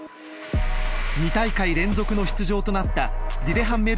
２大会連続の出場となったリレハンメル